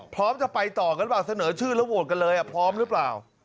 พร้อมจะไปต่อกันเปล่าเสนอชื่อแล้วโหวตกันเลยพร้อมหรือเปล่า